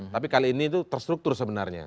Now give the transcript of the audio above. tapi kali ini itu terstruktur sebenarnya